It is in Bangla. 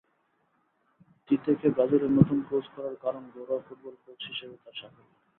তিতেকে ব্রাজিলের নতুন কোচ করার কারণ ঘরোয়া ফুটবলে কোচ হিসেবে তাঁর সাফল্য।